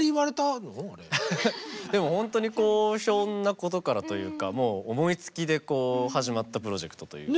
でもほんとにこうひょんなことからというか思いつきで始まったプロジェクトというか。